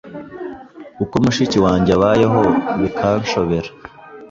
uko mushiki wanjye abayeho bikanshobera